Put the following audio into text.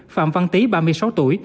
phạm văn tý ba mươi sáu tuổi